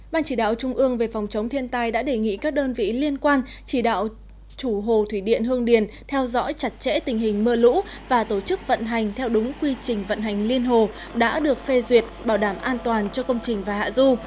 ban chỉ đạo trung ương về phòng chống thiên tai đã đề nghị các đơn vị liên quan chỉ đạo chủ hồ thủy điện hương điền theo dõi chặt chẽ tình hình mưa lũ và tổ chức vận hành theo đúng quy trình vận hành liên hồ đã được phê duyệt bảo đảm an toàn cho công trình và hạ du